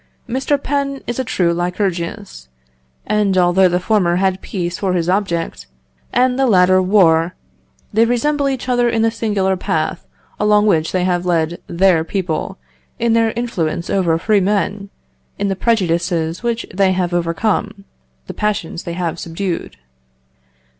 Mr. Penn is a true Lycurgus, and although the former had peace for his object, and the latter war, they resemble each other in the singular path along which they have led their people, in their influence over free men, in the prejudices which they have overcome, the passions they have subdued.